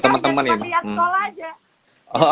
jadi sekolahnya aku lihat sekolah aja